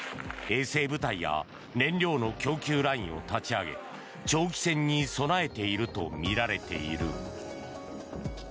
衛生部隊や燃料の供給ラインを立ち上げ長期戦に備えているとみられている。